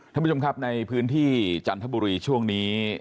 ท่านผู้ชมครับในพื้นที่จันทบุรีช่วงนี้